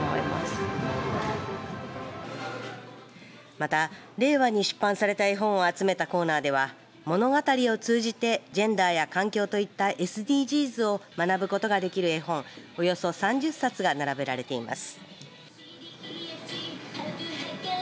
また令和に出版された絵本を集めたコーナーでは物語を通じてジェンダーや環境といったＳＤＧｓを学ぶことができる絵本およそ３０冊が並べられています。